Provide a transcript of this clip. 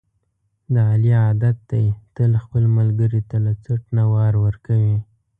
د علي عادت دی، تل خپل ملګري ته له څټ نه وار ورکوي.